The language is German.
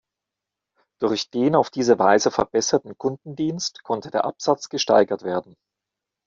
Durch den auf diese Weise verbesserten Kundendienst konnte der Absatz gesteigert werden.